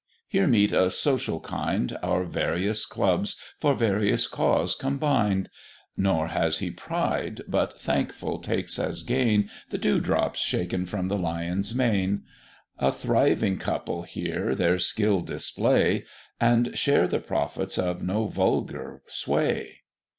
Here meet a social kind, Our various clubs for various cause combined; Nor has he pride, but thankful takes as gain The dew drops shaken from the Lion's mane: A thriving couple here their skill display, And share the profits of no vulgar sway.